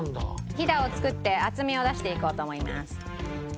ひだを作って厚みを出していこうと思います。